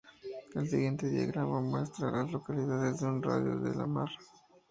El siguiente diagrama muestra a las localidades en un radio de de Lamar.